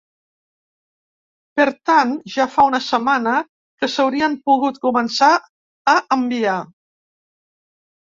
Per tant, ja fa una setmana que s’haurien pogut començar a enviar.